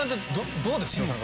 どうですか？